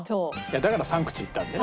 だから３口いったんだよね。